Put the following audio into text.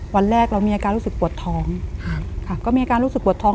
วันแรกเรามีอาการรู้สึกปวดท้องครับค่ะก็มีอาการรู้สึกปวดท้อง